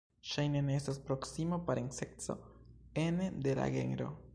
Ŝajne ne estas proksima parenceco ene de la genro.